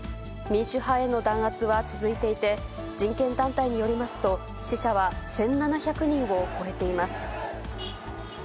民主派への弾圧は続いていて、人権団体によりますと、死者は１７００人を超えています。